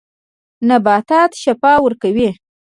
نباتات شفاء ورکوي.